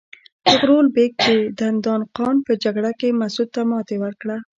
طغرل بیګ د دندان قان په جګړه کې مسعود ته ماتې ورکړه.